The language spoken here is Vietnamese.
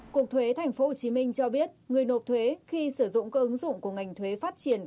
cục thuế tp hcm cho biết người nộp thuế khi sử dụng các ứng dụng của ngành thuế phát triển